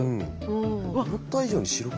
うん。